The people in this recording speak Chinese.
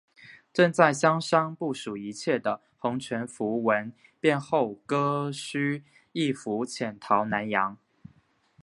正在香山部署一切的洪全福闻变后割须易服潜逃南洋。